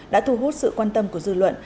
đã thu hút sự quan tâm của dư luận